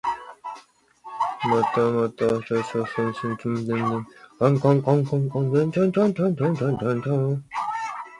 鸡爪簕为茜草科鸡爪簕属下的一个种。